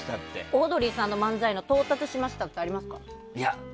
オードリーさんの漫才到達しましたってありますか？